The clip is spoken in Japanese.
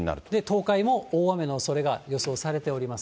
東海も大雨のおそれが予想されています。